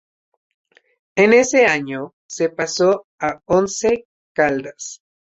En ese año se pasó a Once Caldas.